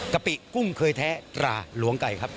กปิกุ้งเคยแท้ตราหลวงไก่ครับ